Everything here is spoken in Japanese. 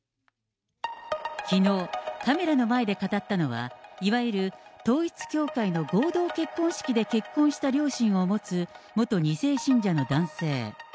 きのう、カメラの前で語ったのは、いわゆる統一教会の合同結婚式で結婚した両親を持つ、元２世信者の男性。